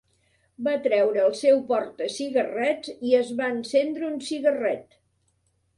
Va treure el seu portacigarrets i es va encendre un cigarret.